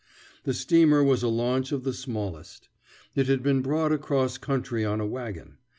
The steamer was a launch of the smallest. It had been brought across country on a wagon.